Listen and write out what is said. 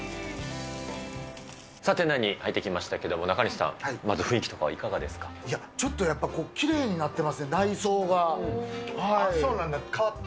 さあ、店内に入ってきましたけれども、中西さん、まず雰囲気とかはいかいや、ちょっとやっぱきれいそうなんだ、変わった？